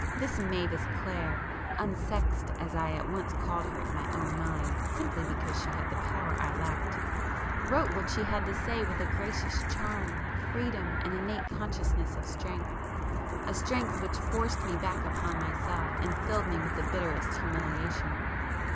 This Mavis Clare, 'unsexed,' as I at once called her in my own mind simply because she had the power I lacked,—wrote what she had to say with a gracious charm, freedom, and innate consciousness of strength,—a strength which forced me back upon myself and filled me with the bitterest humiliation.